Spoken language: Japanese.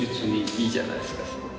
いいじゃないですかすごく。